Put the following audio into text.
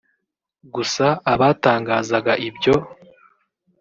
Gusa abatangazaga ibyo